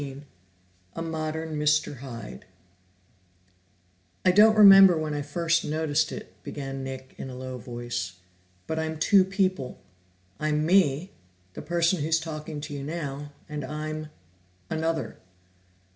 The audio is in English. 15 A Modern Mr. Hyde "I don't remember when I first noticed it," began Nick in a low voice, "but I'm two people. I'm me, the person who's talking to you now, and I'm another."